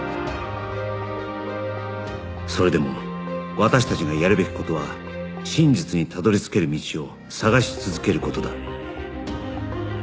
それでも私たちがやるべき事は真実にたどり着ける道を探し続ける事だ